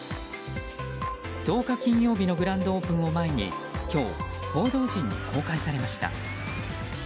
１０日、金曜日のグランドオープンを前に今日、報道陣に公開されました。